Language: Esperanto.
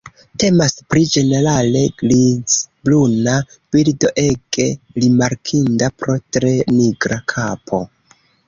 Temas pri ĝenerale grizbruna birdo ege rimarkinda pro tre nigra kapo.